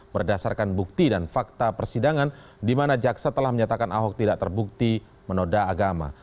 berdasarkan bukti dan fakta persidangan di mana jaksa telah menyatakan ahok tidak terbukti menoda agama